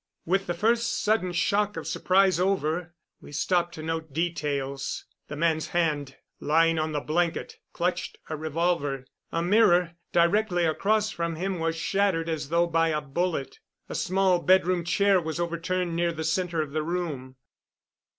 With the first sudden shock of surprise over, we stopped to note details. The man's hand, lying on the blanket, clutched a revolver. A mirror directly across from him was shattered as though by a bullet. A small bedroom chair was overturned near the center of the room.